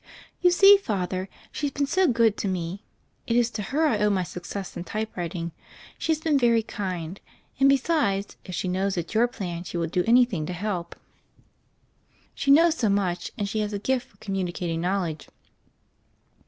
"You see. Father, she's been so good to me. It is to her I owe my success in typewriting. She has been very kind; and, besides, if she knows it's your plan she will do anything to help. 202 THE FAIRY OF THE SNOWS She knows so much, and she has a gift for com municating knowledge."